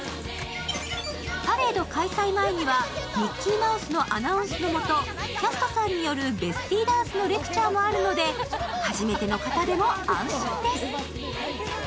パレード開催前にはミッキーマウスのアナウンスのもとキャストさんによるベスティーダンスのレクチャーもあるので初めての方でも安心です。